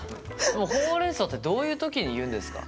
ホウ・レン・ソウってどういう時に言うんですか？